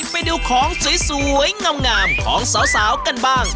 ไปดูของสวยงามของสาวกันบ้าง